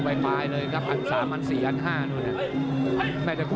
นี่คือยอดมวยแท้รักที่ตรงนี้ครับ